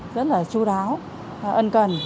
rất là chú đáo ân cần